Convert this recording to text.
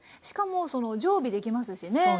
しかも常備できますしね。